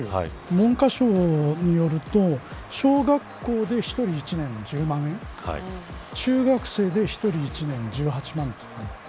文科省によると小学校で１人１年、１０万円中学生で、１人１年１８万とか。